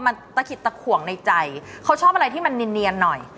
มันตะขิดตะขวงในใจเขาชอบอะไรที่มันเนียนหน่อย